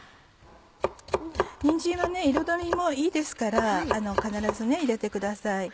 にんじんは彩りもいいですから必ず入れてください。